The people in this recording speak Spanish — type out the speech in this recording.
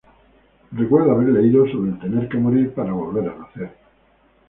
Recuerdo haber leído sobre el tener que morir para volver a nacer.